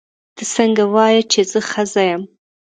ته څنګه وایې چې زه ښځه یم.